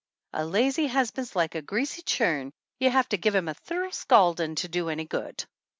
a lazy husban's like a greasy churn you have to give him a thorough scaldin' to do any good